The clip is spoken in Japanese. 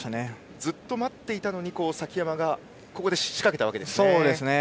ずっと待っていて崎山が仕掛けたわけですね。